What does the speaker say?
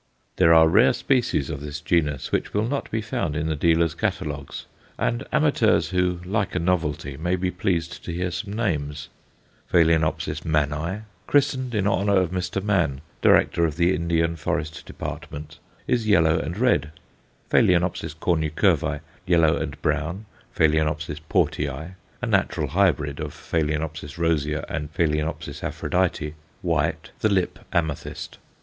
There are rare species of this genus which will not be found in the dealers' catalogues, and amateurs who like a novelty may be pleased to hear some names. Ph. Manni, christened in honour of Mr. Mann, Director of the Indian Forest Department, is yellow and red; Ph. cornucervi, yellow and brown; Ph. Portei, a natural hybrid, of Ph. rosea and Ph. Aphrodite, white, the lip amethyst.